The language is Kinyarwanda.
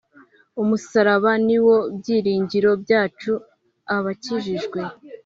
Umusaraba niwo byiringiro byacu abakijijwe